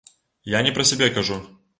Я не пра сябе кажу.